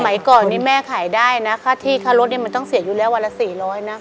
สมัยก่อนนี้แม่ขายได้นะค่าที่ค่ารถเนี่ยมันต้องเสียอยู่แล้ววันละ๔๐๐นะ